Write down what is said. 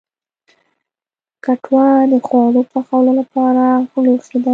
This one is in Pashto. کټوه د خواړو پخولو لپاره لوښی دی